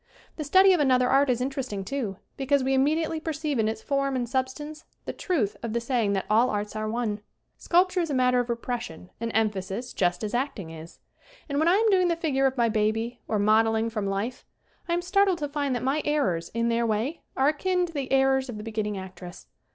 The study of another art is interesting, too, because we immediately perceive in its form and substance the truth of the saying that all arts are one. Sculpture is a matter of repres sion and emphasis just as acting is. And when I am doing the figure of my baby, or modeling from life, I am startled to find that my errors, in their way, are akin to the errors of the be ginning actress.